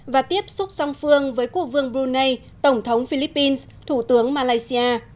và tiếp xúc song phương với quốc vương brunei tổng thống philippines thủ tướng malaysia